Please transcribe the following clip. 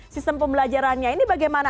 sistem pembelajarannya ini bagaimana